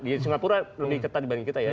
di singapura lebih ketat dibanding kita ya